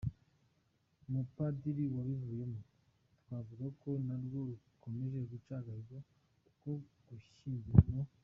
mupadiri wabivuyemo, twavuga ko narwo rukomeje guca agahigo ko gushyingira no.